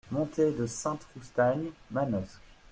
Montée de Sainte-Roustagne, Manosque